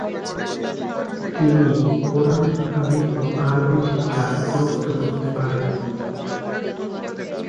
তিনি কুরআন, হাদিস ও আরবি শিক্ষার গুরুত্ব বুঝতে পারেন।